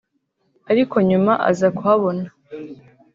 ariko nyuma aza kuhabona